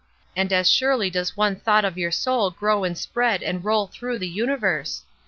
and as surely does one thought of your soul grow and spread and roll through the universe.